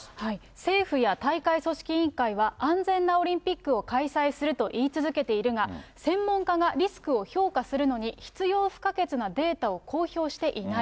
政府や大会組織委員会は、安全なオリンピックを開催すると言い続けているが、専門家がリスクを評価するのに必要不可欠なデータを公表していない。